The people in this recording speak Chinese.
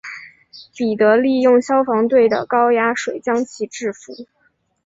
彼得利用消防队的高压水将其制伏。